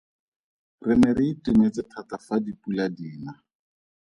Re ne re itumetse thata fa dipula di na.